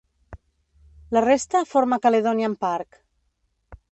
La resta forma Caledonian Park.